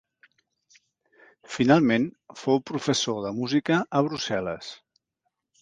Finalment fou professor de música a Brussel·les.